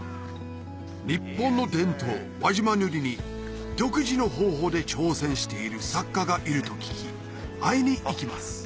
日本の伝統輪島塗に独自の方法で挑戦している作家がいると聞き会いに行きます